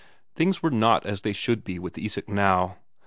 Things were not as they should be with Isak now.